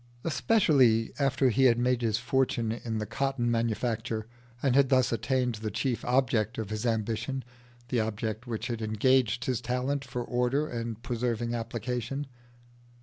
Especially after he had made his fortune in the cotton manufacture, and had thus attained the chief object of his ambition the object which had engaged his talent for order and persevering application.